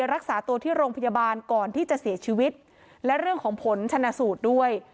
รักษาตัวที่โรงพยาบาลก่อนที่จะเสียชีวิตและเรื่องของผลชนะสูตรด้วย